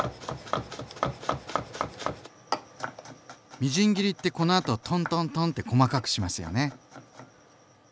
みじん切りってこのあとトントントンって細かくしますよね？